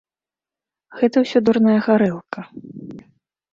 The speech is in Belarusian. Гэта ўсё дурная гарэлка.